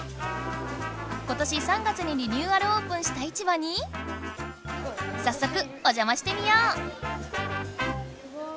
今年３月にリニューアルオープンした市場にさっそくおじゃましてみよう！